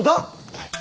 はい。